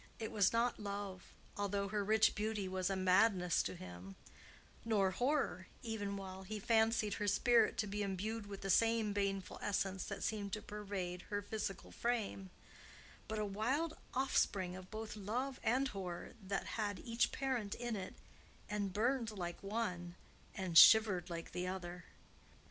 It was not love, although her rich beauty was a madness to him; nor horror, even while he fancied her spirit to be imbued with the same baneful essence that seemed to pervade her physical frame; but a wild offspring of both love and horror that had each parent in it, and burned like one and shivered like the other.